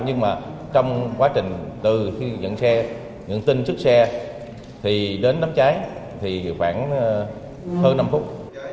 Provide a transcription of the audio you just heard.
nhưng mà trong quá trình từ khi nhận tin xuất xe thì đến đám cháy thì khoảng hơn năm phút